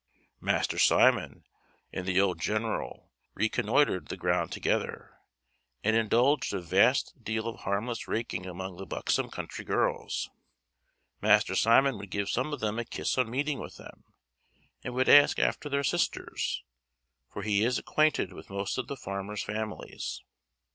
Master Simon and the old general reconnoitred the ground together, and indulged a vast deal of harmless raking among the buxom country girls. Master Simon would give some of them a kiss on meeting with them, and would ask after their sisters, for he is acquainted with most of the farmers' families.